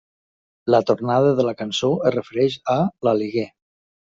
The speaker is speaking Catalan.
La tornada de la cançó es refereix a l'aliguer.